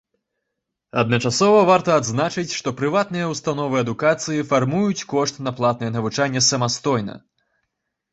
Адначасова варта адзначыць, што прыватныя ўстановы адукацыі фармуюць кошт на платнае навучанне самастойна.